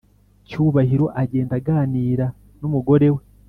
Cyubahiro agenda aganira numugorewe